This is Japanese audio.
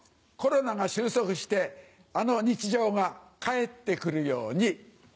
コロナが終息してあの日常が帰って来るように！